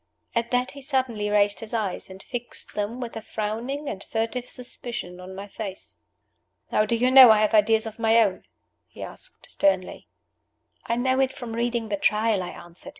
At that he suddenly raised his eyes, and fixed them with a frowning and furtive suspicion on my face. "How do you know I have ideas of my own?" he asked, sternly. "I know it from reading the Trial," I answered.